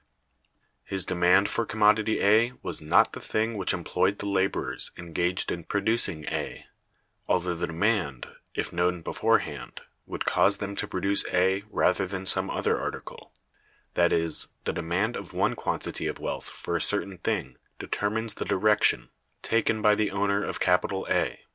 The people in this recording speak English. His demand for commodity A was not the thing which employed the laborers engaged in producing A, although the demand (if known beforehand) would cause them to produce A rather than some other article—that is, the demand of one quantity of wealth for a certain thing determines the direction taken by the owner of capital A.